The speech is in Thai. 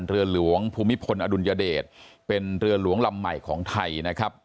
เรือหลวงภูมิพลอดุลยเดชเป็นเรือหลวงลำใหม่ของไทยนะครับ